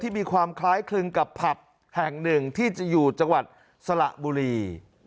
มีความคล้ายคลึงกับผับแห่งหนึ่งที่จะอยู่จังหวัดสระบุรี